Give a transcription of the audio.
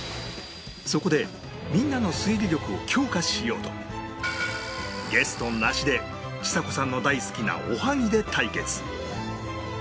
そこでみんなの推理力を強化しようとゲストなしでちさ子さんの大好きなおはぎで対決